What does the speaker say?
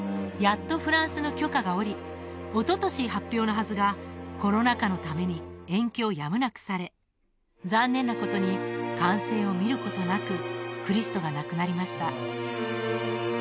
やっとフランスの許可が下りおととし発表のはずがコロナ禍のために延期をやむなくされ残念なことに完成を見ることなくクリストが亡くなりました